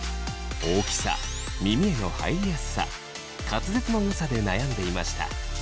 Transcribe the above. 大きさ・耳への入りやすさ・滑舌の良さで悩んでいました。